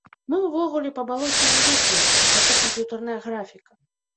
Мы ўвогуле па балоце не ездзілі, гэта камп'ютарная графіка.